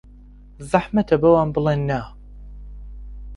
زەحمەتە بەوان بڵێین نا.